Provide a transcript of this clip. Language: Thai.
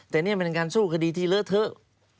แต่นี่มันเป็นการสู้คดีที่เลอะเทอะ